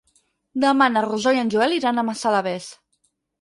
Demà na Rosó i en Joel iran a Massalavés.